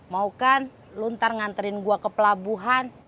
mau kan lu ntar nganterin gue ke pelabuhan